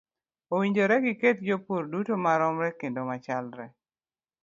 Owinjore giket jopur duto maromre kendo machalre.